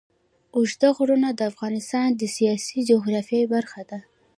اوږده غرونه د افغانستان د سیاسي جغرافیه برخه ده.